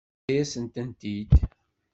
Tefka-yasent-tent-id.